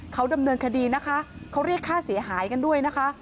เขาดำเนินคดีนะคะเขาเรียกค่าเสียหายกันด้วยนะคะ